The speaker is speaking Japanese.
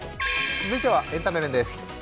それでは、エンタメ面です。